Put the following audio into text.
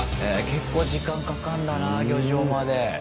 結構時間かかんだな漁場まで。